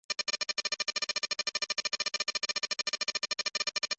Conall fue bautizado por San Patricio.